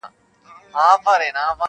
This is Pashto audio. ماسومان بيا هم پوښتني کوي تل,